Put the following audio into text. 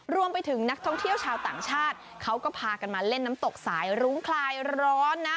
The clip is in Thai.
นักท่องเที่ยวชาวต่างชาติเขาก็พากันมาเล่นน้ำตกสายรุ้งคลายร้อนนะ